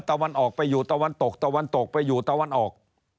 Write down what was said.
ตะวันออกไปอยู่ตะวันตกตะวันตกไปอยู่ตะวันออก